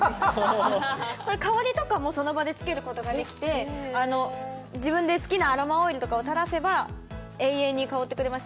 これ香りとかもその場でつけることができて自分で好きなアロマオイルとかを垂らせば永遠に香ってくれます